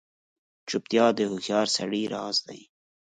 چوپتیا، د هوښیار سړي راز دی.